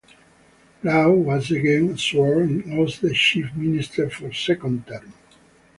Rao was again sworn in as the Chief Minister for second term.